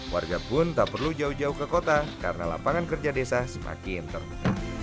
warga pun tak perlu jauh jauh ke kota karena lapangan kerja desa semakin terbuka